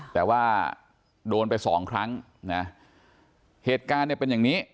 แต่ว่าโดนไป๒ครั้งเหตุการณ์เป็นอย่างนี้